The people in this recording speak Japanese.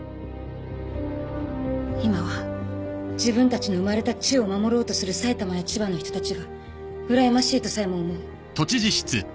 今は自分たちの生まれた地を守ろうとする埼玉や千葉の人たちがうらやましいとさえも思う。